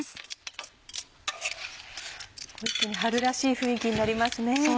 一気に春らしい雰囲気になりますね。